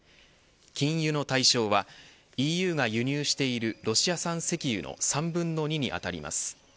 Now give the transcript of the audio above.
禁輸の対象はＥＵが輸入しているロシア産石油の３分の２に当たります。